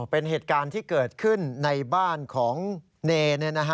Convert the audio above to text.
เป็นเหตุการณ์ที่เกิดขึ้นในบ้านของเน